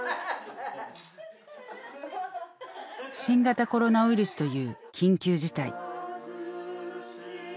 新型コロナウイルスという緊急事態。